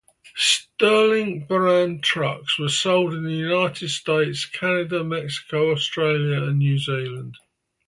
Sterling-brand trucks were sold in the United States, Canada, Mexico, Australia, and New Zealand.